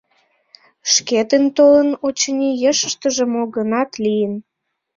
Шкетын толын, очыни, ешыштыже мо-гынат лийын.